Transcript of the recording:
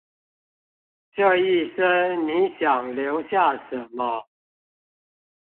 這一生你想留下什麼？